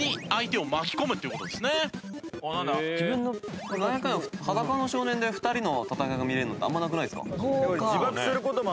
なんやかんや『裸の少年』で２人の戦いが見られるのってあんまなくないですか？